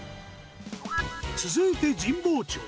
続いて神保町。